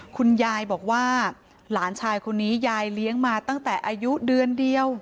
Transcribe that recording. คุณยายบอกว่าหลานชายคนนี้ยายเลี้ยงมาตั้งแต่อายุเดือนเดียว